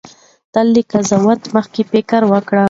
تل له قضاوت مخکې فکر وکړئ.